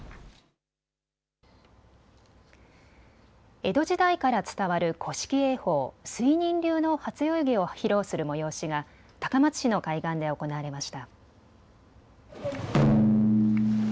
江戸時代から伝わる古式泳法、水任流の初泳ぎを披露する催しが高松市の海岸で行われました。